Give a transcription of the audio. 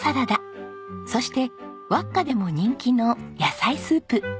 そしてわっかでも人気の野菜スープ。